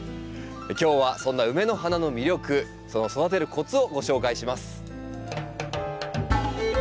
今日はそんなウメの花の魅力その育てるコツをご紹介します。